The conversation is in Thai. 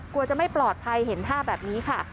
จะไม่ปลอดภัยเห็นท่าแบบนี้ค่ะ